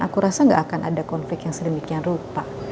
aku rasa gak akan ada konflik yang sedemikian rupa